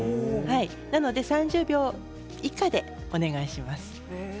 なので３０秒以下でお願いします。